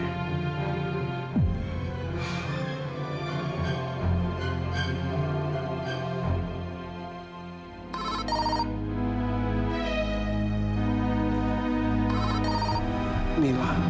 bakal jangan terbawa bawa fadil